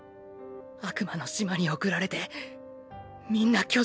悪魔の島に送られてみんな巨人に！